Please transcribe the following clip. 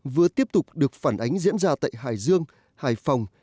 vừa tiếp tục được phản ánh diễn ra tại hải dương hải phòng